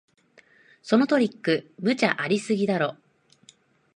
そのトリック、無茶ありすぎだろ